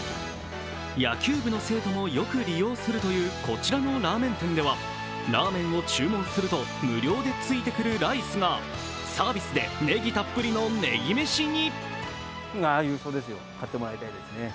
野球部の生徒もよく利用するというこちらのラーメン店ではラーメンを注文すると無料で付いてくるライスがサービスがねぎたっぷりのねぎ飯に。